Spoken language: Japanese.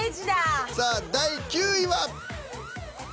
さあ第９位は。